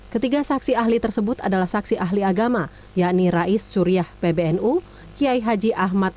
ketiga saksi ahli tersebut adalah saksi ahli agama yakni rais suryah pbnu kiai haji ahmad